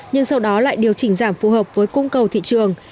nhưng sau đó lại điều chỉnh giảm phù hợp với cung cầu thị trường